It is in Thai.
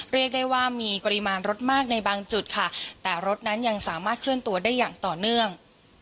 เรียกได้ว่ามีปริมาณรถมากในบางจุดค่ะแต่รถนั้นยังสามารถเคลื่อนตัวได้อย่างต่อเนื่อง